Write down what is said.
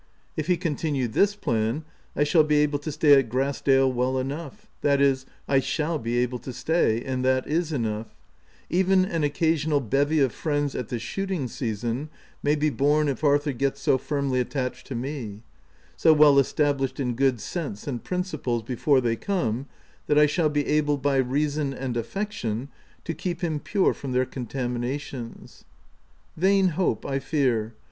If he continue this plan, I shall be able to stay at Grass dale well enough — that is, I shall be able to stay, and that is enough ; even an occasional bevy of friends at the shooting season, may be borne if Arthur get so firmly attached to me — so well established in good sense and principles, before they come, that I shall be able, by reason and affection, to keep him pure from their con OP WILDFELL HALL. 87 taminations. Vain hope, I fear!